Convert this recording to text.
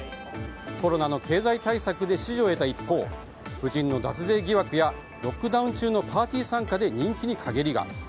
コロナの経済対策で支持を得た一方夫人の脱税疑惑やロックダウン中のパーティー参加で人気に陰りが。